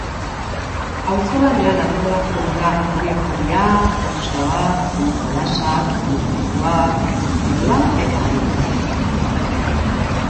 Auzolanean antolatzen dira herri afaria, bertsoak, ume jolasak, kontzertuak, herri kirolak eta hitzaldiak.